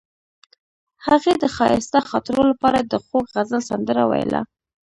هغې د ښایسته خاطرو لپاره د خوږ غزل سندره ویله.